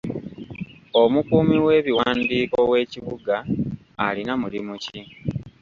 Omukuumi w'ebiwandiiko w'ekibuga alina mulimu ki?